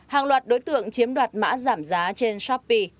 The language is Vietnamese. hàng loạt đối tượng chiếm đoạt mã giảm giá trên shopee